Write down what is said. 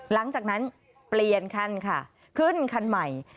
หลังจากนั้นเปลี่ยนคันค่ะขึ้นคันใหม่